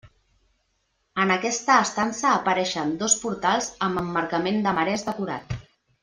En aquesta estança apareixen dos portals amb emmarcament de marès decorat.